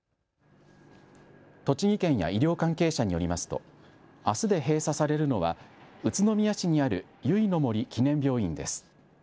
栃木県や医療関係者によりますとあすで閉鎖されるのは宇都宮市にあるゆいの杜記念病院です。